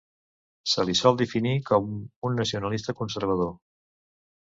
Se li sol definir com un nacionalista conservador.